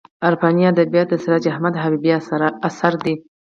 عرفاني ادبیات د سراج احمد حبیبي اثر دی.